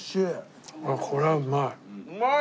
これはうまい。